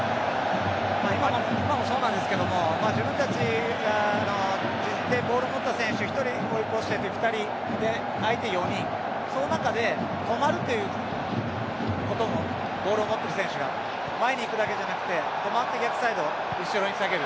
今もそうなんですけれど自分たちがいってボールを持った選手１人、追い越して２人で相手４人その中で止まるということもボールを持っている選手が前に行くだけじゃなくて止まって逆サイド後ろに下げる。